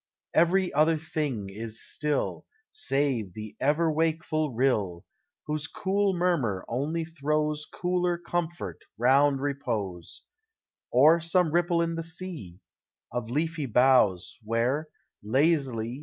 Every other thing is still, Save the ever wakeful rill, Whose cool murmur only throws Cooler comfort round repose ; Or some ripple in the sea, Of leafy boughs, where, lazily.